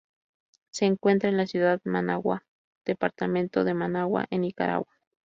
Se encuentra en la ciudad de Managua, departamento de Managua, en Nicaragua.